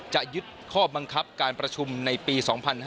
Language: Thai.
จะยึดข้อบังคับการประชุมในปี๒๕๕๙